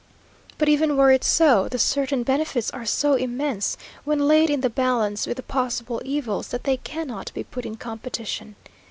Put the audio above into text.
But even were it so, the certain benefits are so immense, when laid in the balance with the possible evils, that they cannot be put in competition.